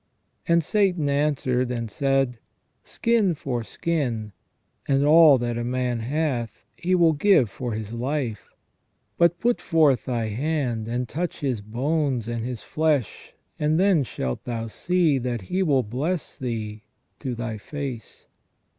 And Satan answered, and said :" Skin for skin : and all that a man hath, he will give for his life; but put forth Thy hand, and touch his bones and his flesh, and then shalt Thou see 156 SELF AND CONSCIENCE that he will bless Thee to Thy face.